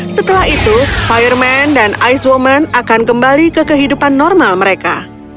setelah itu fireman dan ice woman akan kembali ke kehidupan normal mereka